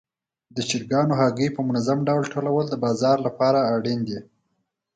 د چرګانو هګۍ په منظم ډول ټولول د بازار لپاره اړین دي.